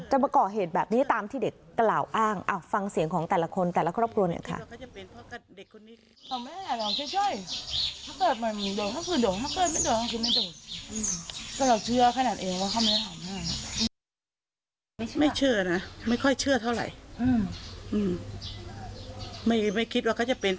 มาก่อเหตุแบบนี้ตามที่เด็กกล่าวอ้างฟังเสียงของแต่ละคนแต่ละครอบครัวหน่อยค่ะ